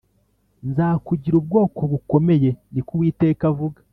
Nzakugira ubwoko bukomeye ni ko Uwiteka avuga